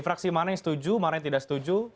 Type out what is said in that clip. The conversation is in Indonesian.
fraksi mana yang setuju mana yang tidak setuju